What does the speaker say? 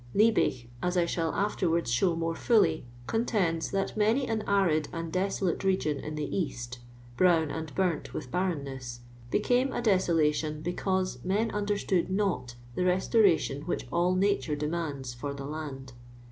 Lie big, as I sh:Ul afterwards show more fully, contends that many an arid and desolate region in the East, I brown and burnt with barrenness, became a de«o I lation because men understood not the restoration \ which all nature demands for the land.